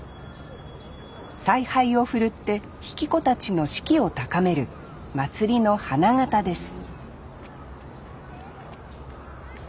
采配を振るって曳き子たちの志気を高める祭りの花形です